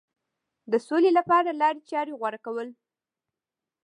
د سولې لپاره لارې چارې غوره کول.